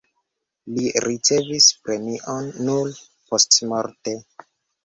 Li ricevis premion nur postmorte.